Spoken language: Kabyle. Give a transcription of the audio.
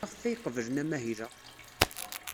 Maɣef ay qeblen amahil-a?